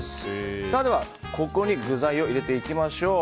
ではここに具材を入れていきましょう。